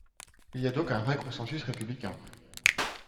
Il y a donc un vrai consensus républicain.